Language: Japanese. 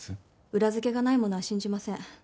裏づけがないものは信じません。